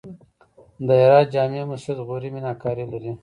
د هرات جمعې مسجد غوري میناکاري لري